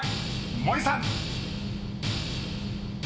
森さん］